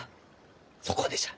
そこでじゃ。